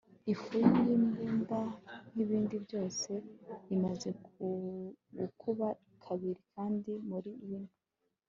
ifu yimbunda nkibindi byose imaze gukuba kabiri kandi muri bine